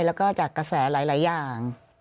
แล้วก็จากกระแสหลายอย่าง